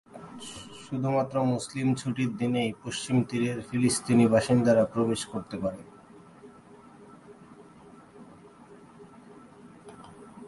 শুধুমাত্র মুসলিম ছুটির দিনেই পশ্চিম তীরের ফিলিস্তিনি বাসিন্দারা প্রবেশ করতে পারে।